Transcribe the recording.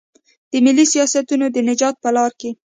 د ملي سیاستونو د نجات په لار کې.